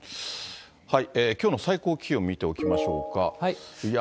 きょうの最高気温見ておきましょうか。